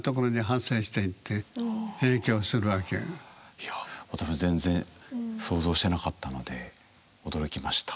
いや私全然想像してなかったので驚きました。